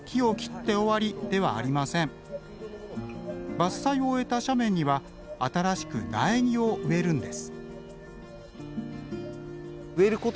伐採を終えた斜面には新しく苗木を植えるんです。